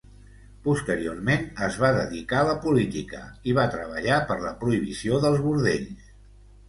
Posteriorment es va dedicar a la política i va treballar per la prohibició dels bordells.